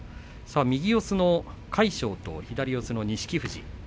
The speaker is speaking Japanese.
右四つの魁勝と左四つの錦富士です。